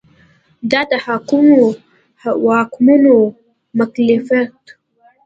دا د حاکمو واکمنو مکلفیت دی.